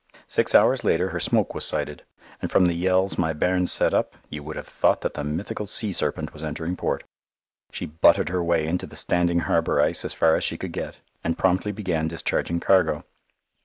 Six hours later her smoke was sighted, and from the yells my bairns set up, you would have thought that the mythical sea serpent was entering port. She butted her way into the standing harbour ice as far as she could get, and promptly began discharging cargo.